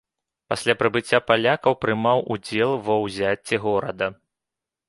Пасля прыбыцця палякаў прымаў удзел ва ўзяцці горада.